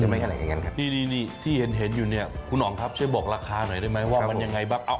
อะไรอย่างนั้นครับนี่ที่เห็นอยู่เนี่ยคุณอ๋องครับช่วยบอกราคาหน่อยได้ไหมว่ามันยังไงบ้าง